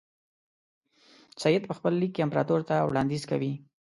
سید په خپل لیک کې امپراطور ته وړاندیز کوي.